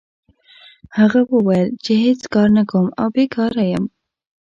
هغه وویل چې هېڅ کار نه کوم او بیکاره یم.